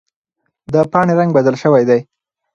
د پاڼې رنګ بدل شوی دی.